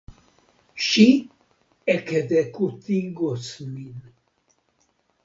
Ŝi ekzekutigos min.